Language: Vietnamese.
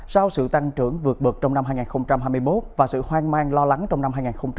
sau sự tăng trưởng vượt bậc trong năm hai nghìn hai mươi một và sự hoang mang lo lắng trong năm hai nghìn hai mươi ba